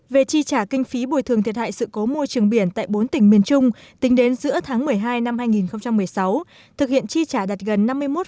về chi trả kinh phí bồi thường thiệt hại sự cố môi trường biển tại bốn tỉnh miền trung tính đến giữa tháng một mươi hai năm hai nghìn một mươi sáu thực hiện chi trả đạt gần năm mươi một